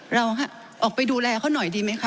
เราออกไปดูแลเขาหน่อยดีไหมคะ